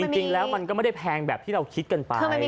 จริงแล้วมันก็ไม่ได้แพงแบบที่เราคิดกันไป